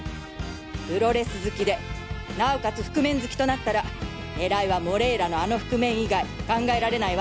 プロレス好きでなおかつ覆面好きとなったら狙いはモレイラのあの覆面以外考えられないわ！